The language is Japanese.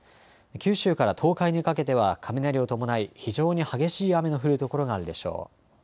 九州から東海にかけては雷を伴い非常に激しい雨の降る所があるでしょう。